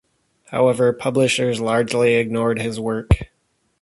However, publishers largely ignored his work.